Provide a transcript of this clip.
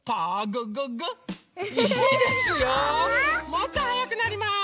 もっとはやくなります。